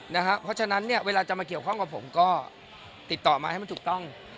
เพราะฉะนั้นเนี่ยเวลาจะมาเกี่ยวข้องกับผมก็ติดต่อมาให้มันถูกต้อง